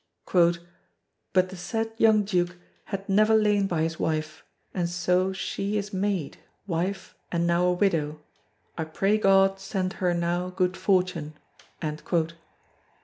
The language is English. "But the said younge duke had never layne by his wife, and so she is maide, wife, and now a widowe; I praie God send her now good fortune."